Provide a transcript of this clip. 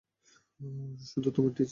শুধু তোমার টিচার।